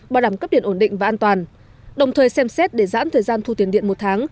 bảo đảm cấp điện ổn định và an toàn đồng thời xem xét để giãn thời gian thu tiền điện một tháng